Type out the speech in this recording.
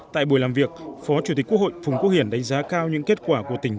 tại buổi làm việc phó chủ tịch quốc hội phùng quốc hiển đánh giá cao những kết quả của tỉnh